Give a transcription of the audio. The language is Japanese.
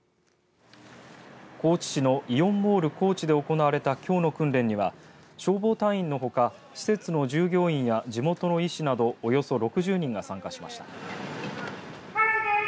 高知市のイオンモール高知で行われたきょうの訓練には消防隊員のほか施設の従業員や地元の医師などおよそ６０人が参加しました。